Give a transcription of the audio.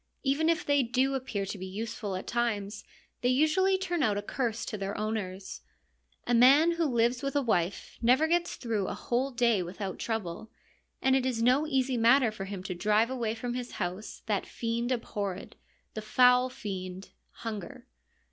Even if they do appear to be useful at times, they usually turn out a curse to their owners. A man who lives with a wife never gets through a whole day 34 FEMINISM IN GREEK LITERATURE without trouble, and it is no easy matter for him to drive away from his house that fiend abhorred, the foul fiend, Hunger.